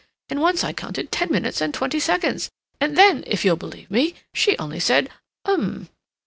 And once I counted ten minutes and twenty seconds, and then, if you'll believe me, she only said 'Um!